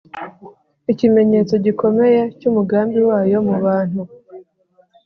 ikimenyetso gikomeye cy’umugambi wayo mu bantu